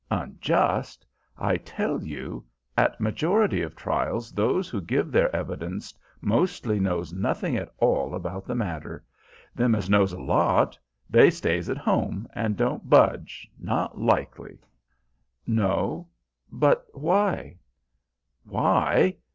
"Unjust! I tell you ... at majority of trials those who give their evidence mostly knows nothing at all about the matter; them as knows a lot they stays at home and don't budge, not likely!" "No? But why?" "Why?